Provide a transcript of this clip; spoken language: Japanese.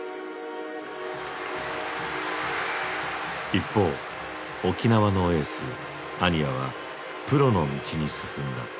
一方沖縄のエース安仁屋はプロの道に進んだ。